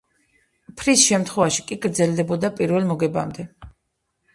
ფრის შემთხვევაში კი გრძელდებოდა პირველ მოგებამდე.